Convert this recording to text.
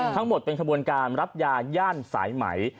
ทั้งหมดเป็นขบวนการรับยาย่านสายไหม